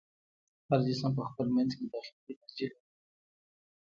هر جسم په خپل منځ کې داخلي انرژي لري.